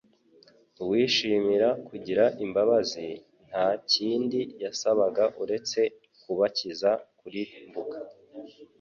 «Uwishimira kugira imbabazi',» nta kindi yasabaga uretse kubakiza kurimbuka,